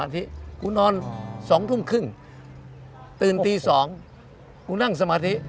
ตือนตี๒กูนั่งสมาธิ